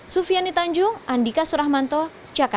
sufiani tanjung andika suramanto jakarta